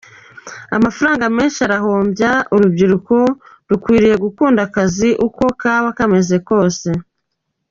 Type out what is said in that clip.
Amafaranga menshi arahombya, urubyiruko rukwiriye gukunda akazi uko kaba kameze kose.